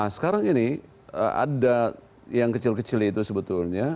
nah sekarang ini ada yang kecil kecil itu sebetulnya